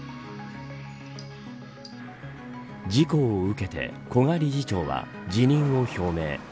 事故を受けて、古賀理事長は辞任を表明。